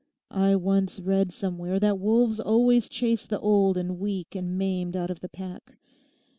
I once read somewhere that wolves always chase the old and weak and maimed out of the pack.